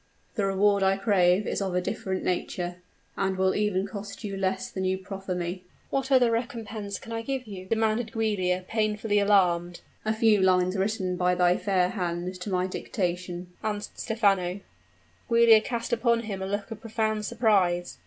The reward I crave is of a different nature, and will even cost you less than you proffer me." "What other recompense can I give you?" demanded Giulia, painfully alarmed. "A few lines written by thy fair hand to my dictation," answered Stephano. Giulia cast upon him a look of profound surprise.